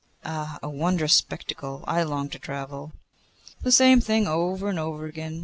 'Ah! a wondrous spectacle. I long to travel.' 'The same thing over and over again.